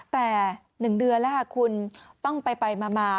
แต่๑เดือนแล้วคุณต้องไปมา